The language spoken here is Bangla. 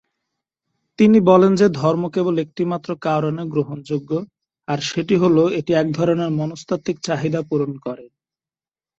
তিনি বলেন যে ধর্ম কেবল একটিমাত্র কারণে গ্রহণযোগ্য, আর সেটি হল এটি এক ধরনের মনস্তাত্ত্বিক চাহিদা পূরণ করেন।